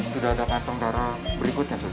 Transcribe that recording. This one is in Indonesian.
sudah ada kantong darah berikutnya